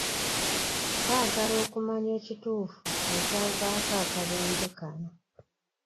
Baagala okumanya ekituufu ekyavaako akabenje kano.